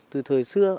từ thời xưa